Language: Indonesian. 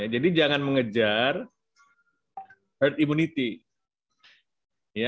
jangan mengejar herd immunity